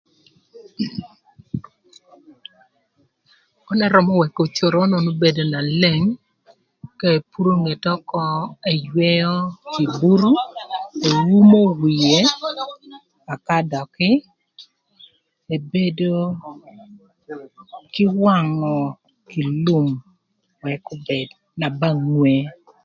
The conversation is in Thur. Onu ërömö wëkö coron onu bedo na leng ka epuro ngete ökö ëywëö epuro eumo wie ëka dökï ebedo kï wangö kï lum wëk obed na ba ngwee.